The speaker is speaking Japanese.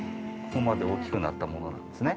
ここまで大きくなったものなんですね。